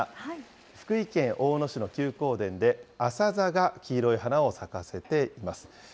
福井県大野市の休耕田で、アサザが黄色い花を咲かせています。